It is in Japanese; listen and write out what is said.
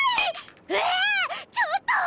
えぇ⁉ちょっと何？